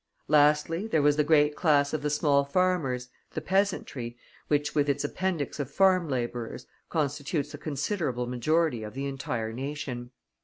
Lastly, there was the great class of the small farmers, the peasantry, which with its appendix of farm laborers, constitutes a considerable majority of the entire nation.